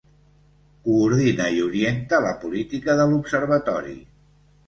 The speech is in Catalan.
Coordina i orienta la política de l'Observatori.